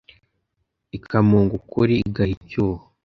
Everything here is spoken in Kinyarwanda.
ikamunga ukuri, igaha icyuho